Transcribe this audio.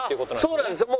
そうなんですよ。